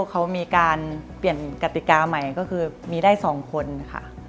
เขามีการเปลี่ยนกติกาใหม่ก็คือมีได้๒คนค่ะ